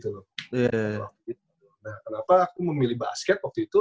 nah kenapa aku memilih basket waktu itu